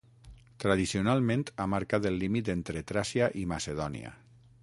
Tradicionalment ha marcat el límit entre Tràcia i Macedònia.